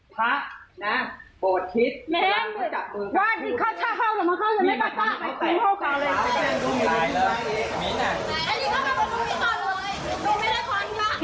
พระนะโปรดฤทธิ์